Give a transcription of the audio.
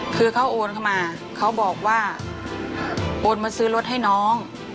คือเขาโอนเข้ามาเขาบอกว่าโอนมาซื้อรถให้น้อง